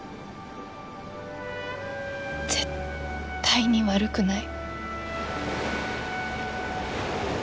絶対に悪くない。